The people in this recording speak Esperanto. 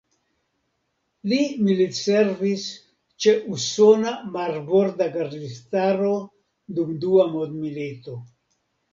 Li militservis ĉe Usona Marborda Gardistaro dum Dua Mondmilito.